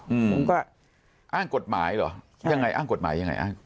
ผมก็อ้างกฎหมายเหรอยังไงอ้างกฎหมายยังไงอ้าง